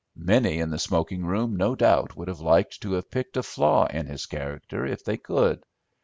Many in the smoking room no doubt would have liked to have picked a flaw in his character if they could.